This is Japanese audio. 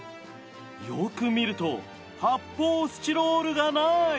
よく見ると発泡スチロールがない。